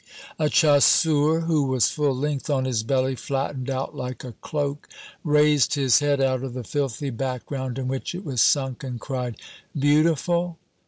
'" A chasseur who was full length on his belly, flattened out like a cloak, raised his head out of the filthy background in which it was sunk, and cried, "Beautiful?